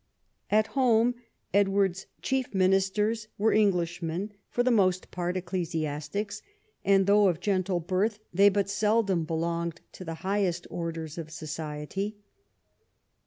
At home Edward's chief ministers were Englishmen, for the most part ecclesiastics, and though of gentle birth they but seldom belonged to the highest orders of society.